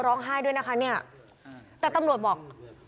ร้องไห้ด้วยนะคะเนี่ยแต่ตำรวจบอก